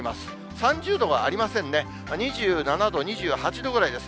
３０度がありませんね、２７度、２８度ぐらいです。